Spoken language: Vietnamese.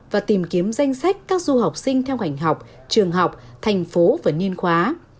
và tìm kiếm danh sách các du học sinh theo ngành học trường học thành phố và nhiên khóa